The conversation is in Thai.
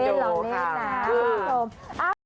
เอาลองเล่นนะ